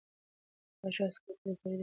پاچا عسکرو ته د سړي د هویت د بدلولو امر وکړ.